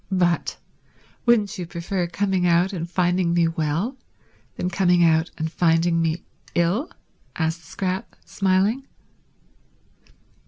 "But wouldn't you prefer coming out and finding me well than coming out and finding me ill?" asked Scrap, smiling.